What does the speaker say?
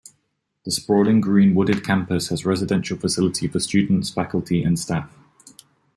The sprawling green wooded Campus has Residential Facility for students, faculty and staff.